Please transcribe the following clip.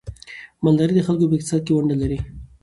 مالداري د خلکو په اقتصاد کې ونډه لري.